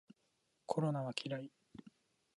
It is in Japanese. コロナは嫌い